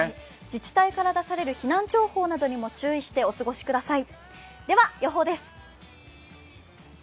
自治体から出される避難情報などにも注意してお過ごしください。